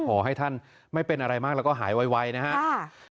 ขอให้ท่านไม่เป็นอะไรมากแล้วก็หายไวนะครับ